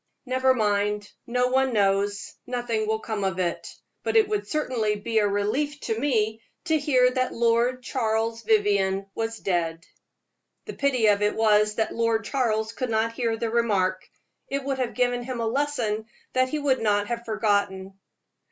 "Never mind, no one knows nothing will come of it; but it would certainly be a relief to me to hear that Lord Charles Vivianne was dead." The pity of it was that Lord Charles could not hear the remark; it would have given him a lesson that he would not have forgotten.